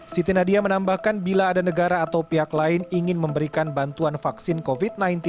siti nadia menambahkan bila ada negara atau pihak lain ingin memberikan bantuan vaksin covid sembilan belas